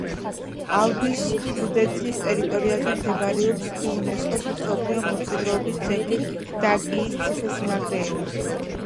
ალბის ჟუდეცის ტერიტორიაზე მდებარეობს იუნესკოს მსოფლიო მემკვიდრეობის ძეგლი დაკიის ციხესიმაგრეები.